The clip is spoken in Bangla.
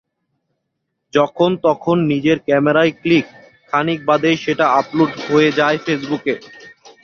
যখন তখন নিজের ক্যামেরায় ক্লিক, খানিক বাদেই সেটা আপলোড হয়ে যায় ফেসবুকে।